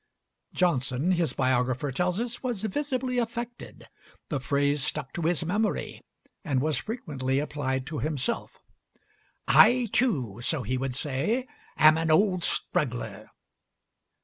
Johnson, his biographer tells us, was visibly affected. The phrase stuck to his memory, and was frequently applied to himself. "I too," so he would say, "am an old struggler."